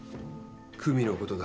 久実のことだ。